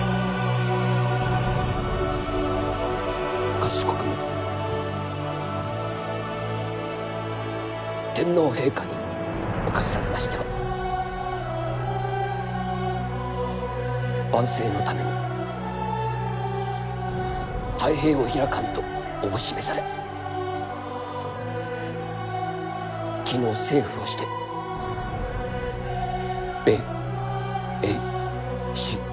かしこくも天皇陛下におかせられましては万世のために太平を開かんとおぼし召されきのう政府をして米英支ソ